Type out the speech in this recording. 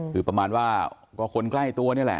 คือประมาณว่าก็คนใกล้ตัวนี่แหละ